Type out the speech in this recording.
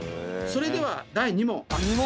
それでは第２問。